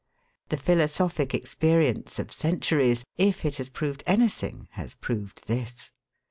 The philosophic experience of centuries, if it has proved anything, has proved this.